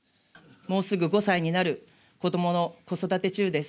もうすぐ５歳になる子供の子育て中です。